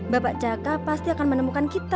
bapak caka pasti akan menemukan kita